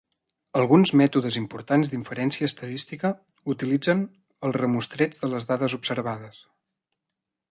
Alguns mètodes importants d'inferència estadística utilitzen el remostreig de les dades observades.